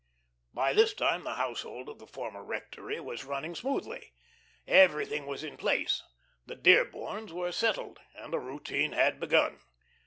By this time the household of the former rectory was running smoothly; everything was in place, the Dearborns were "settled," and a routine had begun.